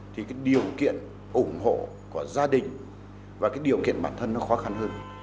thì điều kiện ủng hộ của gia đình và điều kiện bản thân khó khăn hơn